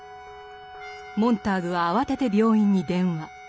モンターグは慌てて病院に電話。